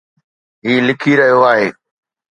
هي لکي رهيو آهي